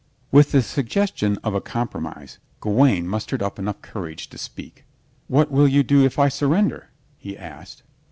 With the suggestion of a compromise Gawaine mustered up enough courage to speak. "What will you do if I surrender?" he asked.